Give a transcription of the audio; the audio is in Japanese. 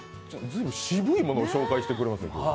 渋いものを紹介してくれましたが。